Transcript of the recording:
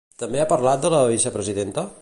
També ha parlat de la vicepresidenta?